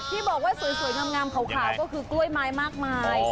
ที่บอกว่าสวยงามขาวก็คือกล้วยไม้มากมาย